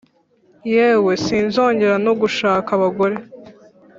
Yewe sinzongera nugushaka abagore